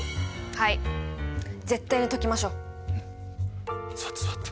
はい絶対に解きましょう！座って座って。